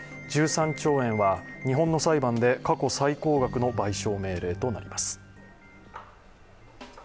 １３兆円は、日本の裁判で過去最高額の賠償命令となります。